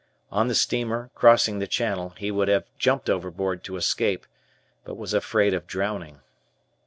On the steamer, crossing the Channel, he would have jumped overboard to escape, but was afraid of drowning.